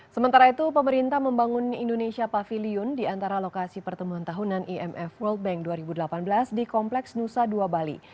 sementara itu pemerintah membangun indonesia pavilion di antara lokasi pertemuan tahunan imf world bank dua ribu delapan belas di kompleks nusa dua bali